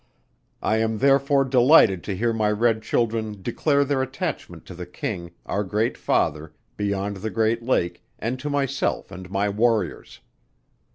I am therefore delighted to hear my red children declare their attachment to the King our Great Father, beyond the Great Lake, and to myself and my Warriors.